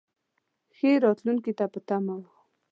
ښې راتلونکې ته په تمه و.